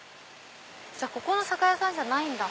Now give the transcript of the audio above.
じゃあここの酒屋さんじゃないんだ。